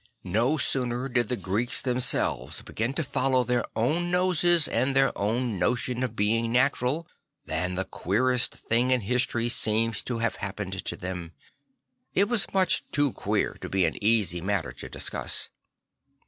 No sooner did the Greeks them selves begin to follow their own noses and their own notion of being natural, than the queerest thing in history seems to have happened to them. It was much too queer to be an easy matter to discuss.